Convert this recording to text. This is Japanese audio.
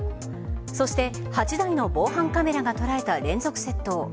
そして８台の防犯カメラが捉えた連続窃盗。